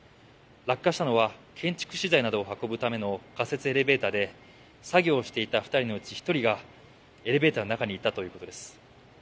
落下したのは建築資材などを運ぶための仮設エレベーターで作業していた２人のうち１人がエレベーターの中にいたということです。